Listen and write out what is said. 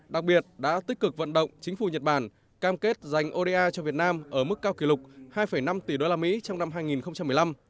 đặc biệt đã tích cực vận động chính phủ nhật bản cam kết dành oda cho việt nam ở mức cao kỷ lục hai năm tỷ usd trong năm hai nghìn một mươi năm